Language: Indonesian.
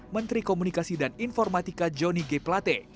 menteri komunikasi dan informatika johnny g plate